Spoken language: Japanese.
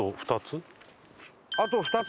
あと２つ？